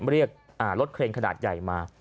เรียกรถเครนขนาดใหญ่มา